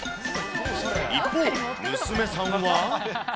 一方、娘さんは。